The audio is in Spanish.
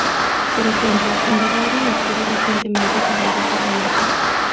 Por ejemplo, cuando Rory estuvo recientemente cegado por la magia.